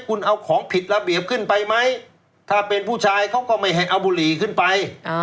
คุณเอาของผิดระเบียบขึ้นไปไหมถ้าเป็นผู้ชายเขาก็ไม่ให้เอาบุหรี่ขึ้นไป